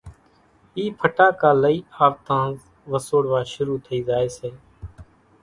اِي ڦٽاڪا لئي آوتانز وسوڙوا شروع ٿئي زائي سي